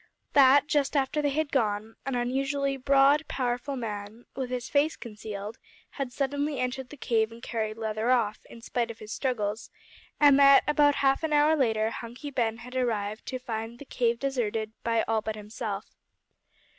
That, just after they had gone, an unusually broad powerful man, with his face concealed, had suddenly entered the cave and carried Leather off, in spite of his struggles, and that, about half an hour later, Hunky Ben had arrived to find the cave deserted by all but himself.